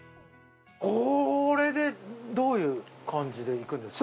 これでどういう感じでいくんですか？